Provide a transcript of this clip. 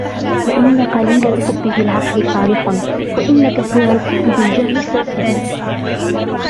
فإن قليل الحب بالعقل صالح وإن كثير الحب بالجهل فاسد